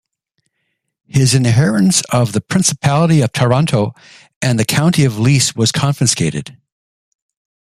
His inheritance of the Principality of Taranto and the County of Lecce was confiscated.